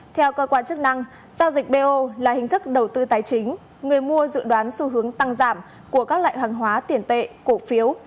theo cơ quan chức năng giao dịch bo là hình thức đầu tư tài chính người mua dự đoán xu hướng tăng giảm của các loại hàng hóa tiền tệ cổ phiếu